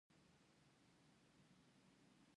له جوماتو څخه تکړه طالب العلمان راټولوي.